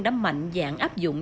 đã mạnh dạng áp dụng